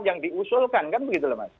yang diusulkan kan begitu loh mas